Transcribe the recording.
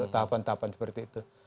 tahapan tahapan seperti itu